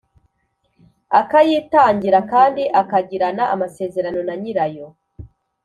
Akayitangira kandi akagirana amasezerano na nyirayo